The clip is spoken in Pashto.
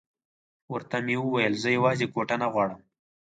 ورته مې وویل زه یوازې کوټه نه غواړم.